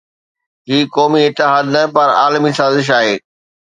هي قومي اتحاد نه پر عالمي سازش آهي.